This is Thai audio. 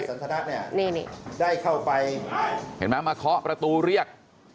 สันทนัทเนี่ยได้เข้าไปเห็นไหมมาเคาะประตูเรียก